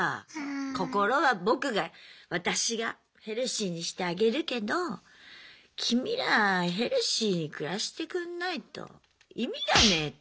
心は僕が私がヘルシーにしてあげるけど君らヘルシーに暮らしてくんないと意味がねえと。